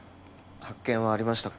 発見はありましたか？